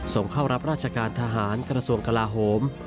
ส่งเข้ารับราชการทหารกระทรวงกลาโหม